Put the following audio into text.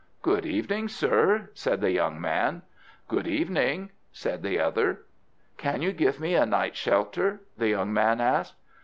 "Good evening, sir," said the young man. "Good evening," said the other. "Can you give me a night's shelter?" the young man asked.